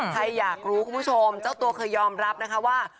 ใครอยากรู้คุณผู้ชมเจ้าตัวเคยยอมรับนะคะว่า